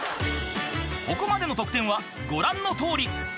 ［ここまでの得点はご覧のとおり］